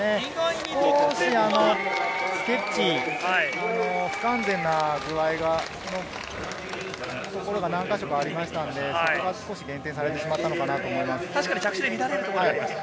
少しスケッチーを不完全な具合が何か所かありましたので、少し減点されてしまったのかなと思います。